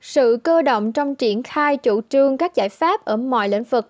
sự cơ động trong triển khai chủ trương các giải pháp ở mọi lĩnh vực